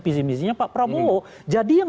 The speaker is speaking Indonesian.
visi visinya pak prabowo jadi yang